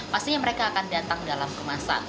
pastinya mereka akan datang dalam kemasan